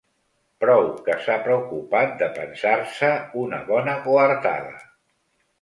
Prou que s'ha preocupat de pensar-se una bona coartada.